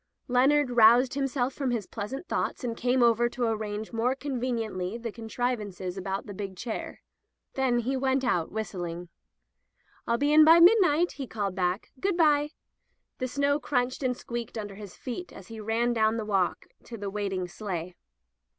Leonard roused from his pleasant thoughts, and came over to arrange more conveniently the contrivances about the big chair. Then he went out whistling. "rU be in by midnight,'' he called back. "Good by!'* The snow crunched and squeaked under his feet as he ran down the walk to the waiting sleigh.